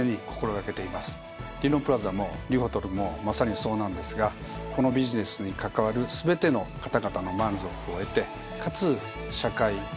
「リノプラザ」も「リフォトル」もまさにそうなんですがこのビジネスに関わる全ての方々の満足を得てかつ社会にも貢献できると。